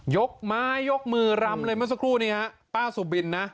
ยกไม้ยกมือรำเลยเมื่อสักครู่นี้ฮะป้าสุบินนะ